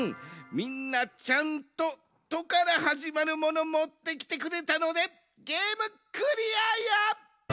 みんなちゃんと「と」からはじまるモノもってきてくれたのでゲームクリアや！